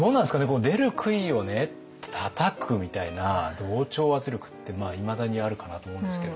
この出る杭をたたくみたいな同調圧力っていまだにあるかなと思うんですけど。